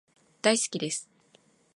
大好きです